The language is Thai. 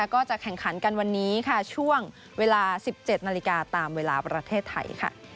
ก็จะแข่งขันกันวันนี้ค่ะช่วงเวลา๑๗นาฬิกาตามเวลาประเทศไทย